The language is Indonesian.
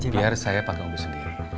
biar saya pakai ombu sendiri